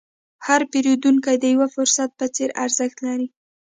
هر پیرودونکی د یو فرصت په څېر ارزښت لري.